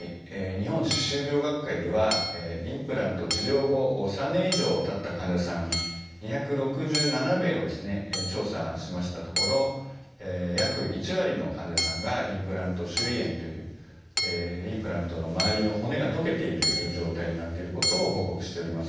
日本歯周病学会ではインプラント治療後３年以上たった患者さん２６７名をですね調査しましたところ約１割の患者さんがインプラント周囲炎というインプラントの周りの骨が溶けている状態になっていることを報告しております。